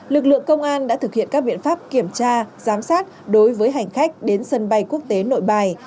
lực lượng công an đã thực hiện các biện pháp kiểm tra giám sát đối với hành khách đến sân bay quốc tế nội bài